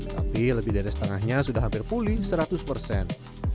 tapi lebih dari setengahnya sudah hampir pulih seratus persen